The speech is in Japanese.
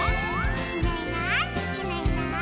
「いないいないいないいない」